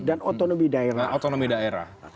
dan otonomi daerah